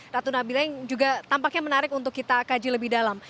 ratu nabila yang juga tampaknya menarik untuk kita kaji lebih dalam